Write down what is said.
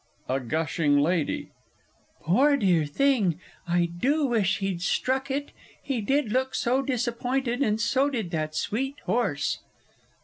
A GUSHING LADY. Poor dear thing! I do wish he'd struck it! He did look so disappointed, and so did that sweet horse!